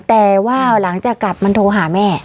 แต่ว่าหลังจากกลับมันโทรหาแม่